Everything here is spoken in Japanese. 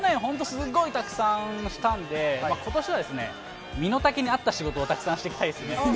去年、すごいたくさんしたんで、ことしは身の丈に合った仕事をたくさんしていきたいですね。